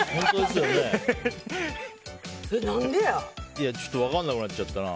いやよく分かんなくなっちゃったな。